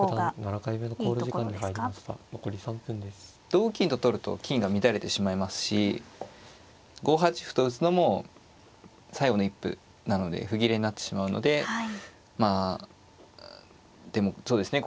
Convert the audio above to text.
同金と取ると金が乱れてしまいますし５八歩と打つのも最後の一歩なので歩切れになってしまうのでまあでもそうですね